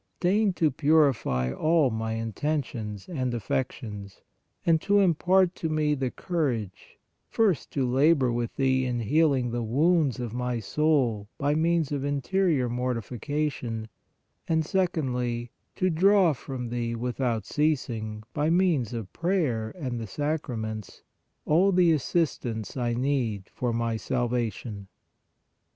Deign to purify all my intentions and affections, and to im part to me the courage, first, to labor with Thee in healing the wounds of my soul by means of interior mortification, and secondly, to draw from Thee without ceasing, by means of prayer and the sacra ments, all the assistance I need for my salvation.